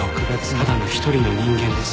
ただの一人の人間です。